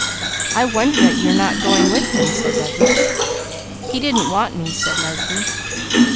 "I wondered at you not going with him," said Douglas. "He didn't seem to want me," said Leslie.